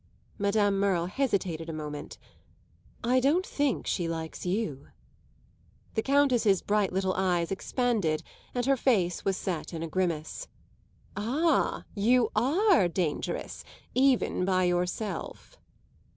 Madame Merle hesitated a moment. "I don't think she likes you." The Countess's bright little eyes expanded and her face was set in a grimace. "Ah, you are dangerous even by yourself!"